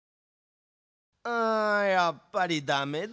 あやっぱりダメだ。